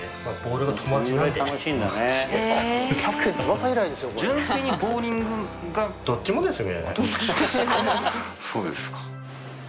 そうですね。